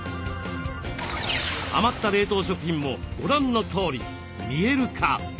余った冷凍食品もご覧のとおり見える化。